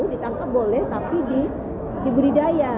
yang ditangkap boleh tapi diberi daya